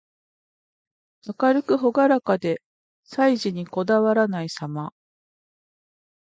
明るくほがらかで、細事にこだわらないさま。